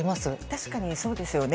確かにそうですよね。